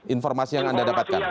informasi yang anda dapatkan